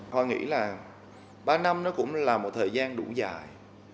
họ nghĩ là ba năm nó cũng là một thời gian đủ dài